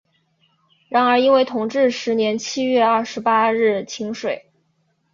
然而因为同治十年七月廿八日请水。